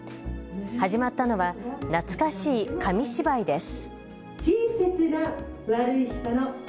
始まったのは懐かしい紙芝居です。